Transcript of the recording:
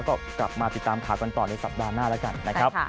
ก็กลับมาติดตามข่าวกันต่อในสัปดาห์หน้าแล้วกันนะครับ